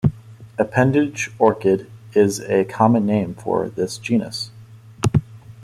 Appendage orchid is a common name for this genus.